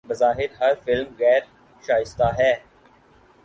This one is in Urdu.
بظاہر فلم غیر شائستہ ہے